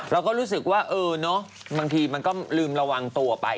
เราก็รู้สึกว่าเออเนอะบางทีมันก็ลืมระวังตัวไป